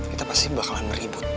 kita pasti bakalan beribut